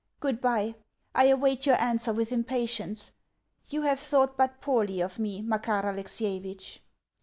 Goodbye. I await your answer with impatience. You have thought but poorly of me, Makar Alexievitch.